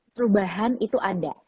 perubahan itu ada